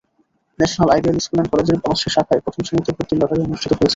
National ideal school and কলেজের বনশ্রী শাখায় প্রথম শ্রেণিতে ভর্তির লটারি অনুষ্ঠিত হয়েছে।